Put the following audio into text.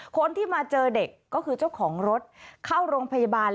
คนที่มาเจอเด็กก็คือเจ้าของรถเข้าโรงพยาบาล